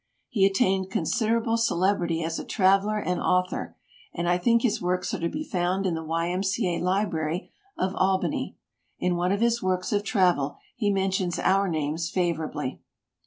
He attained considerable celeb rity as a traveler and author, and I think his works are to be found in the Y. M. C. A. library of Albany. In one of his works of travel he mentions our names favorably.